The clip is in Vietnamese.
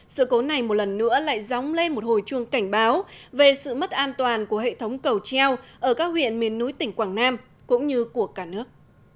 sự cố này một lần nữa lại dóng lên một hồi chuông cảnh báo về sự mất an toàn của hệ thống cầu treo ở các huyện miền núi tỉnh quảng nam cũng như của cả nước